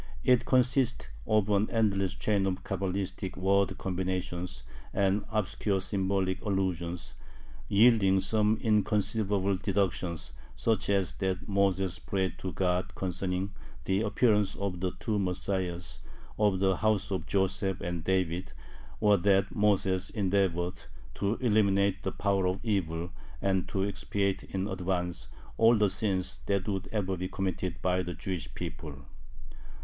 It consists of an endless chain of Cabalistic word combinations and obscure symbolic allusions, yielding some inconceivable deductions, such as that Moses prayed to God concerning the appearance of the two Messiahs of the house of Joseph and David, or that Moses endeavored to eliminate the power of evil and to expiate in advance all the sins that would ever be committed by the Jewish people.